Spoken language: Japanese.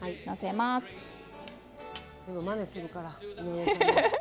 まねするから。